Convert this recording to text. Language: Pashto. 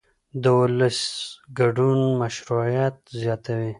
د ولس ګډون مشروعیت زیاتوي